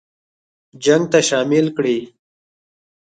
جنګ ته شامل کړي.